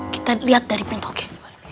kita lihat dari pintu oke